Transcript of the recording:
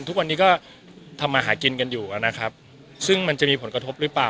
ทุกวันนี้ก็ทำมาหากินกันอยู่นะครับซึ่งมันจะมีผลกระทบหรือเปล่า